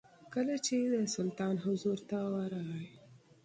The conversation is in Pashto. کله چې د سلطان حضور ته ورغی.